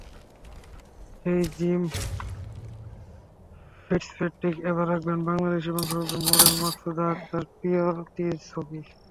সেই Jim Fitzpatrick এবার আঁকবেন বাংলাদেশি বংশোদ্ভূত মডেল মাকসুদা আকতার প্রিয়তির ছবি।